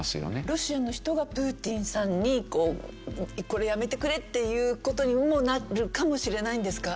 ロシアの人がプーチンさんに「これやめてくれ！」っていう事にもなるかもしれないんですか？